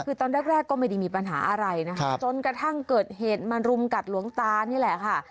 คือตอนแรกก็ไม่ได้มีปัญหาอะไรนะคะจนกระทั่งเกิดเหตุมารุมกัดหลวงตานี่แหละค่ะ